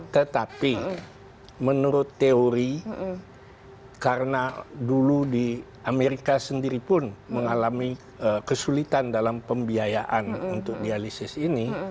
tetapi menurut teori karena dulu di amerika sendiri pun mengalami kesulitan dalam pembiayaan untuk dialisis ini